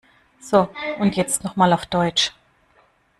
So und jetzt noch mal auf Deutsch.